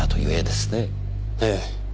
ええ。